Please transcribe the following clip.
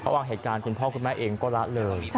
วางเหตุการณ์คุณพ่อคุณแม่เองก็ละเลย